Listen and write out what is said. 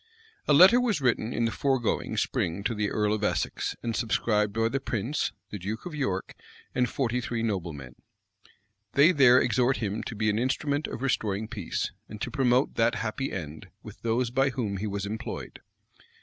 A letter was written in the foregoing spring to the earl of Essex, and subscribed by the prince, the duke of York, and forty three noblemen.[*] They there exhort him to be an instrument of restoring peace, and to promote that happy end with those by whom he was employed.